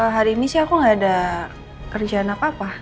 hari ini sih aku nggak ada kerjaan apa apa